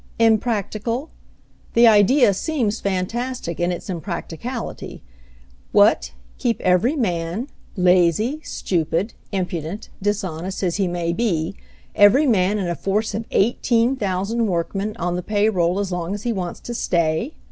Impractical? The idea seems fantastic in its impracticality. What, keep every man — lazy, stupid, impudent, dishonest, as he may be — every man in a force of 18,000 workmen, on the pay roll as long as he wants to stay